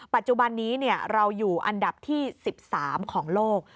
ปัจจุบันนี้เราอยู่อันดับที่๑๓ของโลก